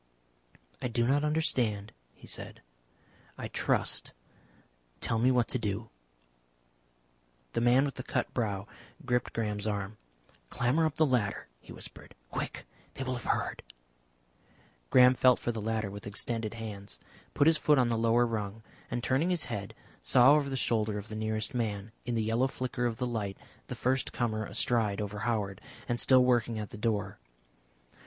"I do not understand," he said. "I trust. Tell me what to do." The man with the cut brow gripped Graham's arm. "Clamber up the ladder," he whispered. "Quick. They will have heard " Graham felt for the ladder with extended hands, put his foot on the lower rung, and, turning his head, saw over the shoulder of the nearest man, in the yellow flicker of the light, the first comer astride over Howard and still working at the door.